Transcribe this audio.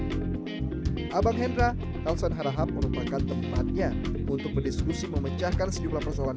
kehal abang hendra sekalian merupakan tempatnya untuk berdiskusi memecahkan sejumlah persoalan